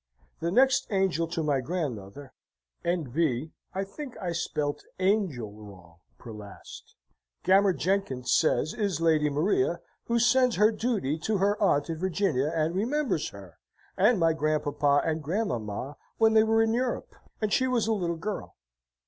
The next angel to my Grandmother (N.B. I think I spelt angel wrong per last), Gammer Jenkins says, is Lady Maria, who sends her duty to her Aunt in Virginia, and remembers her, and my Grandpapa and Grandmamma when they were in Europe, and she was a little girl.